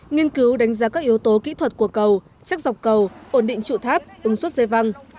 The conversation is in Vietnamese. nghiên cứu đánh giá các yếu tố kỹ thuật của cầu chắc dọc cầu ổn định trụ tháp ứng xuất dây văng